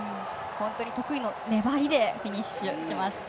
得意の粘りでフィニッシュしました。